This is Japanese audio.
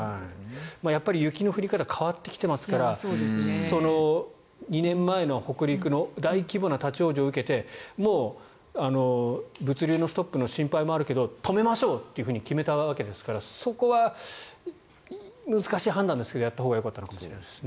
やっぱり雪の降り方が変わってきていますから２年前の北陸の大規模な立ち往生を受けて物流のストップの心配もあるけど止めましょうと決めたわけですからそこは難しい判断ですけどやったほうがよかったのかもしれないですね。